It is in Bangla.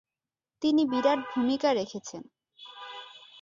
তিনি বিরাট ভূমিকা রেখেছেন।